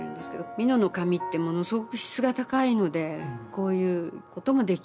美濃の紙ってものすごく質が高いのでこういうこともできる。